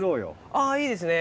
あぁいいですね